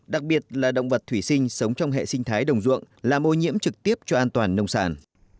đặc biệt là động vật thủy sinh sống trong hệ sinh thái đồng ruộng làm ô nhiễm trực tiếp cho an toàn nông sản